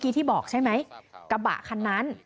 คุยกับตำรวจเนี่ยคุยกับตำรวจเนี่ย